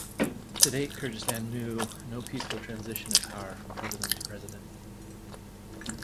To date, Kyrgyzstan knew no peaceful transition of power from president to president.